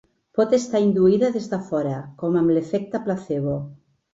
Pot estar induïda des de fora, com amb l'efecte placebo.